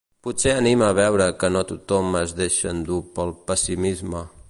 Potser anima veure que no tothom es deixa endur pel pessimisme.